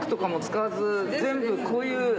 全部こういう。